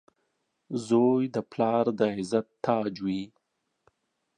• زوی د پلار د عزت تاج وي.